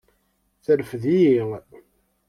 Terfed-iyi.